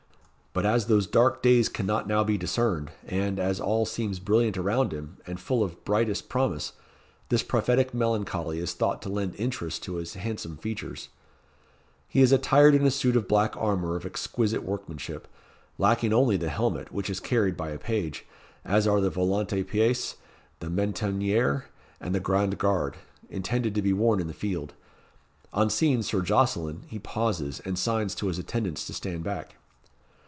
But as those dark days cannot now be discerned, and, as all seems brilliant around him, and full of brightest promise, this prophetic melancholy is thought to lend interest to his handsome features. He is attired in a suit of black armour of exquisite workmanship, lacking only the helmet, which is carried by a page as are the volante pièce, the mentonnière, and the grande garde, intended to be worn in the field. On seeing Sir Jocelyn, he pauses, and signs to his attendants to stand back.